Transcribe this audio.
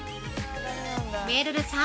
◆めるるさん！